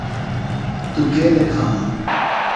تورہ کے لیکھانوۡ؟